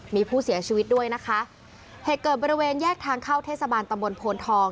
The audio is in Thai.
มีผู้เสียชีวิตด้วยนะคะเหตุเกิดบริเวณแยกทางเข้าเทศบาลตำบลโพนทอง